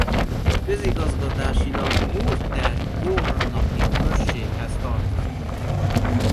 Közigazgatásilag Murter-Kornati községhez tartozik.